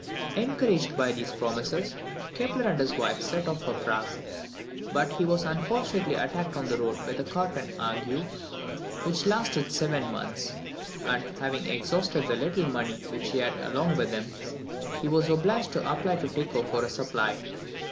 Encouraged by these promises, Kepler and his wife set off for Prague, but he was unfortunately attacked on the road with a quartan ague, which lasted seven months; and having exhausted the little money which he had along with him, he was obliged to apply to Tycho for a supply.